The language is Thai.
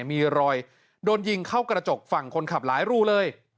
มีรอยโดนยิงเข้ากระจกฝั่งคนขับหลายรูเลย